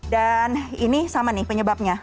dan ini sama nih penyebabnya